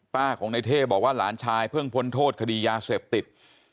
ของในเท่บอกว่าหลานชายเพิ่งพ้นโทษคดียาเสพติด